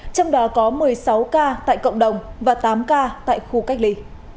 trong đó có một mươi sáu ca tại cộng đồng và tám ca tại khu cách ly